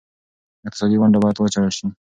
اقتصادي ونډه باید وڅېړل شي.